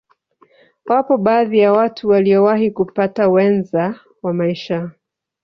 Wapo baadhi ya watu waliyowahi kupata wenza wa maisha